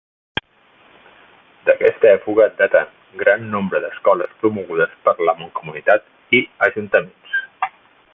D'aquesta època daten gran nombre d'escoles promogudes per la Mancomunitat i Ajuntaments.